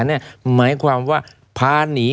หมายความว่าพาหนี